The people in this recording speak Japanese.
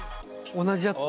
同じやつ？